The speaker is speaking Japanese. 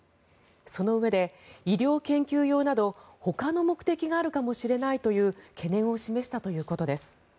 そのうえで、医療研究用などほかの目的があるかもしれないという懸念を示したということです。